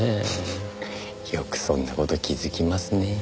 フフよくそんな事気づきますね。